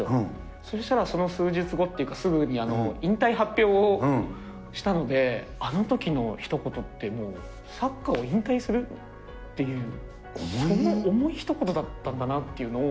そしたら、その数日後っていうか、すぐに引退発表をしたので、あのときのひと言って、もうサッカーを引退するっていう、重いひと言だったんだなっていうのを。